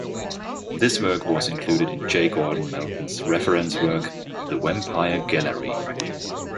This work was included in J. Gordon Melton's reference work, "The Vampire Gallery".